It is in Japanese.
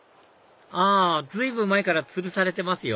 あ随分前からつるされてますよ